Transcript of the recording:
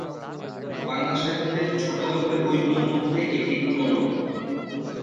বাংলা সাহিত্যের ছোট গল্পের বইগুলোর মধ্যে এটি অন্যতম।